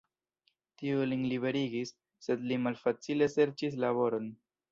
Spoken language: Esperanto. Tiu lin liberigis, sed li malfacile serĉis laboron.